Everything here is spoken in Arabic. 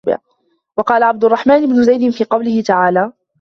وَقَالَ عَبْدُ الرَّحْمَنِ بْنُ زَيْدٍ فِي قَوْله تَعَالَى